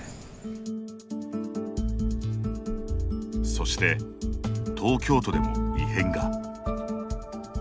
そして、東京都でも異変が。